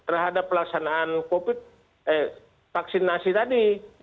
terhadap pelaksanaan vaksinasi tadi